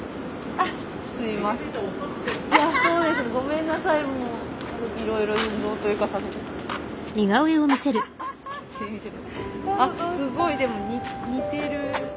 あっすごいでも似てる。